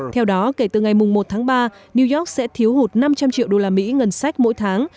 theo đó kể từ ngày một tháng ba new york sẽ thiếu hụt năm trăm linh triệu đô la mỹ ngân sách mỗi tháng